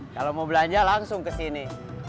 kalau mau belanja langsung kesini